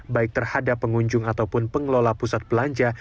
baik terhadap pengunjung ataupun pengelola pusat belanja